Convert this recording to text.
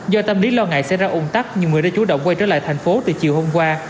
do tâm lý lo ngại sẽ ra ủng tắc nhiều người đã chủ động quay trở lại thành phố từ chiều hôm qua